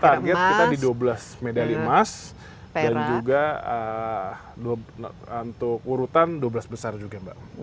target kita di dua belas medali emas dan juga untuk urutan dua belas besar juga mbak